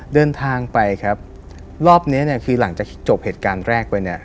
เดินทางไปครับรอบเนี้ยคือหลังจากจบเหตุการณ์แรกไปเนี่ย